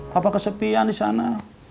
papa kesepian di sana